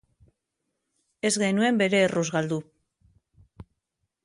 Ez genuen bere erruz galdu.